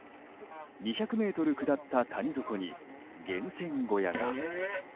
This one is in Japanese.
２００ｍ下った谷底に源泉小屋が。